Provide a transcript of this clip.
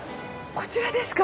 こちらですか。